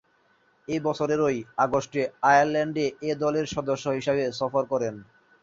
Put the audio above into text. ঐ বছরেরই আগস্টে আয়ারল্যান্ডে এ দলের সদস্য হিসেবে সফর করেন।